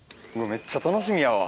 めっちゃ楽しみやわ。